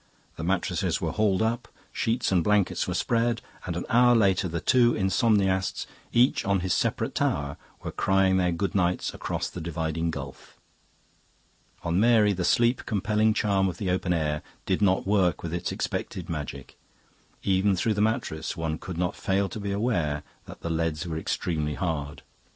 The mattresses were hauled up, sheets and blankets were spread, and an hour later the two insomniasts, each on his separate tower, were crying their good nights across the dividing gulf. On Mary the sleep compelling charm of the open air did not work with its expected magic. Even through the mattress one could not fail to be aware that the leads were extremely hard.